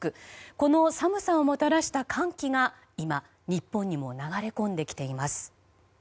この寒さをもたらした寒気が今、日本にも流れ込んできています。